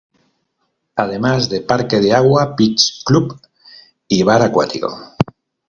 Además de parque de agua, beach club y bar acuático.